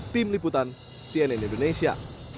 tim liputan cnn indonesia